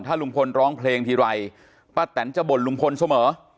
ลุงพลร้องเพลงทีไรป้าแตนจะบ่นลุงพลเสมอ